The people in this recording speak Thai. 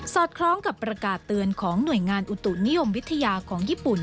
คล้องกับประกาศเตือนของหน่วยงานอุตุนิยมวิทยาของญี่ปุ่น